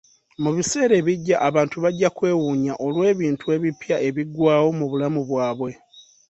Mu biseera ebijja, abantu bajja kwewuunya olw'ebintu ebipya ebigwawo mu bulamu bwabwe.